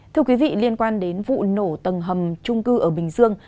thưa quý vị liên quan đến vụ nổ tầng hầm trung cư ở bình dương